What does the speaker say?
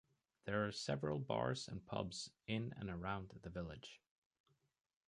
There are several bars and pubs in and around the village.